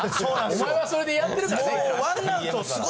お前はそれでやってるからね一回。